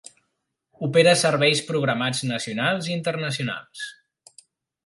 Opera serveis programats nacionals i internacionals.